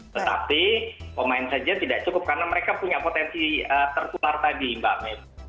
tetapi pemain saja tidak cukup karena mereka punya potensi tertular tadi mbak may